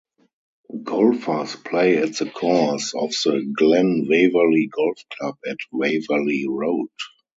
Golfers play at the course of the Glen Waverley Golf Club at Waverley Road.